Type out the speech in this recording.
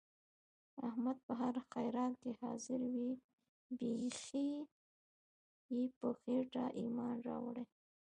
احمد په هر خیرات کې حاضر وي. بیخي یې په خېټه ایمان راوړی.